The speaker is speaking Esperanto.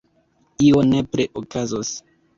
Io nepre okazos.